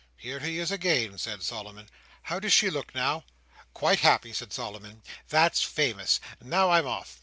"Here he is again," said Solomon. "How does she look now?" "Quite happy," said Solomon. "That's famous! now I'm off."